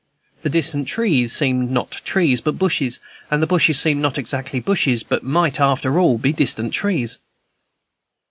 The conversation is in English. The distant trees seemed not trees, but bushes, and the bushes seemed not exactly bushes, but might, after all, be distant trees.